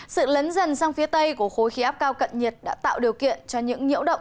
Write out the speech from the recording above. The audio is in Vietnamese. sự lấn dần sang phía tây của khối khí áp cao cận nhiệt đã tạo điều kiện cho những nhiễu động